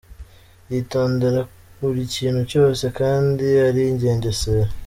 Yitondera buri kintu cyose kandi arigengesera.